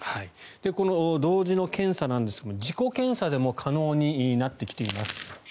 この同時の検査なんですが自己検査でも可能になってきています。